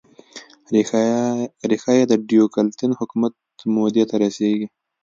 ریښه یې د ډیوکلتین حکومت مودې ته ور رسېږي